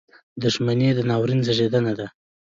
• دښمني د ناورین زېږنده ده.